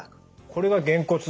これがげんこつ。